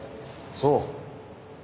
そう。